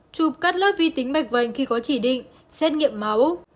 chụp cắt lớp vi tính mạch vành khi có chỉ định xét nghiệm máu